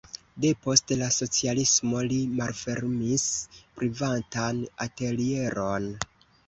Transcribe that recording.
Depost la socialismo li malfermis privatan atelieron.